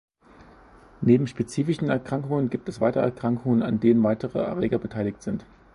Neben spezifischen Erkrankungen gibt es weitere Erkrankungen, an denen weitere Erreger beteiligt sind.